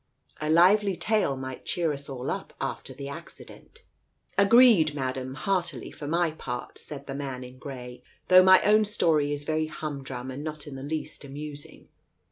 A lively tale might cheer us all up, after the accident." "Agreed, Madam, heartily for my part," said the man in grey, "though my own story is very humdrum, and not in the least amusing.